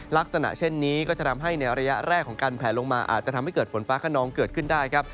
ลักษณะเช่นนี้ก็จะทำให้ในระยะแรกของการแผลลงมาอาจจะทำให้เกิดฝนฟ้าขนองเกิดขึ้นได้ครับ